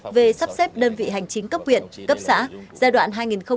về sắp xếp đơn vị hành chính cấp quyền cấp xã giai đoạn hai nghìn hai mươi ba hai nghìn ba mươi